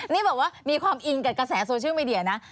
นี่แบบว่ามีความอิงกับกระแสโซเชียลมีเดียนะ